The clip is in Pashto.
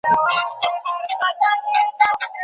ویل څه سوې سپی د وخته دی راغلی